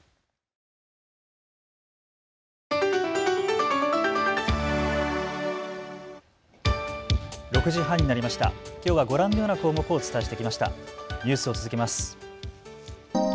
ニュースを続けます。